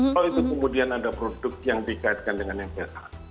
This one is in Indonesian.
kalau itu kemudian ada produk yang dikaitkan dengan mca